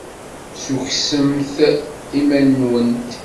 Ssukksemt iman-nwent.